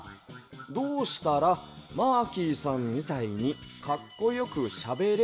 どうしたらマーキーさんみたいにかっこよくしゃべれるのダ？」。